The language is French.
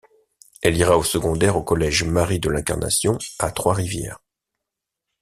Elle ira au secondaire au collège Marie-de-l'Incarnation a Trois-Rivières.